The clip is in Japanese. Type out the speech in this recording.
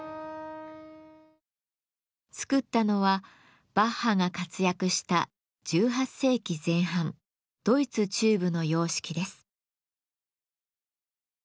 作ったのはバッハが活躍した１８世紀前半ドイツ中部の様式です。